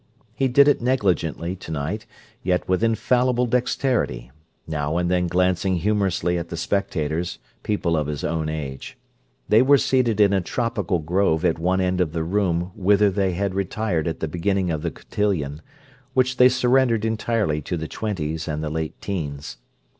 He did it negligently, tonight, yet with infallible dexterity, now and then glancing humorously at the spectators, people of his own age. They were seated in a tropical grove at one end of the room whither they had retired at the beginning of the cotillion, which they surrendered entirely to the twenties and the late 'teens.